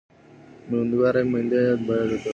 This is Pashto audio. امیندواره میندې باید ډاکټر ته لاړې شي.